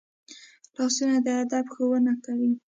لاسونه د ادب ښوونه کوي